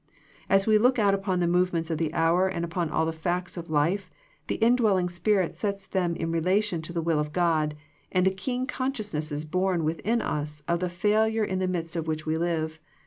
TAs we look out upon the movements of the hour and upon all the facts of life, the indwelling Spirit sets them in relation to the will of God, and a keen con sciousness is born within us of the failure in the midst of which we live.